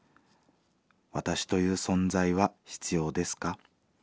私という存在は必要ですか？